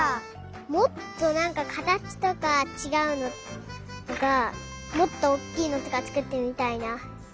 もっとなんかかたちとかちがうのとかもっとおっきいのとかつくってみたいな。